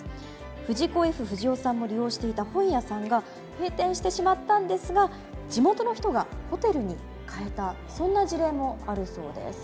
藤子・Ｆ・不二雄さんも利用していた本屋さんが閉店してしまったんですが地元の人がホテルに変えたそんな事例もあるそうです。